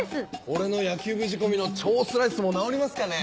俺の野球部仕込みの超スライスも直りますかね？